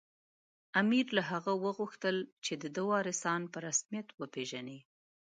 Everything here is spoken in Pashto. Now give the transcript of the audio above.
امیر له هغه وغوښتل چې د ده وارثان په رسمیت وپېژني.